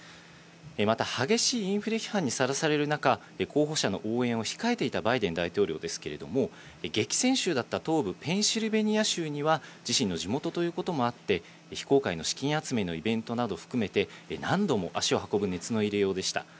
また激しいインフレ批判にさらされる中、候補者の応援を控えていたバイデン大統領ですけれども、激戦州だった東部ペンシルベニア州には、自身の地元ということもあって、非公開の資金集めのイベントなど含めて、何度も足を運ぶ熱の入れようでした。